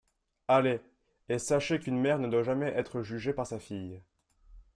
Allez, et sachez qu’une mère ne doit jamais être jugée par sa fille...